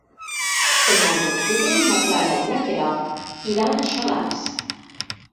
El nou d'octubre na Clara i na Queralt iran a Xalans.